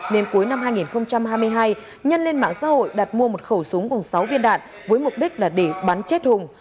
nên cuối năm hai nghìn hai mươi hai nhân lên mạng xã hội đặt mua một khẩu súng cùng sáu viên đạn với mục đích là để bắn chết hùng